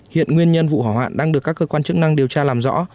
hiện nguyên nhân vụ hỏa hoạn đang được các cơ quan chức năng điều tra làm rõ